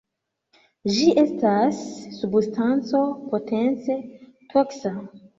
Ĝi estas substanco potence toksa.